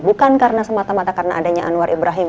bukan karena semata mata karena adanya anwar ibrahim